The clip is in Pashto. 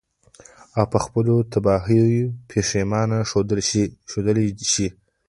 او په خپلو تباهيو ئې پښېمانه ښودلے شي.